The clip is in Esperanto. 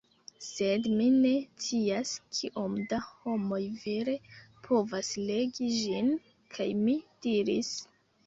Sed mi ne scias kiom da homoj vere povas regi ĝin." kaj mi diris: